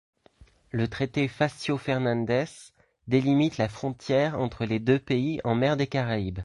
Le traité Facio-Fernández délimite la frontière entre les deux pays en mer des Caraïbes.